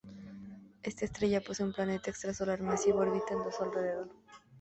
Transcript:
Esta estrella posee un planeta extrasolar masivo orbitando a su alrededor.